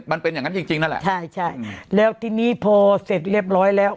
มันเป็นอย่างนั้นจริงจริงนั่นแหละใช่ใช่แล้วทีนี้พอเสร็จเรียบร้อยแล้ว